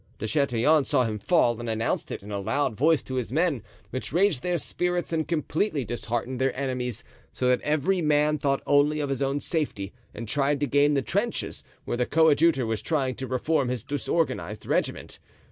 De Chatillon saw him fall and announced it in a loud voice to his men, which raised their spirits and completely disheartened their enemies, so that every man thought only of his own safety and tried to gain the trenches, where the coadjutor was trying to reform his disorganized regiment.